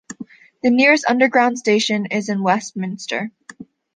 The nearest Underground station is Westminster.